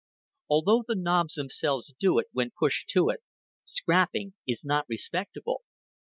Although the nobs themselves do it when pushed to it, scrapping is not respectable.